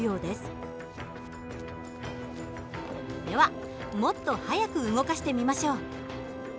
ではもっと速く動かしてみましょう。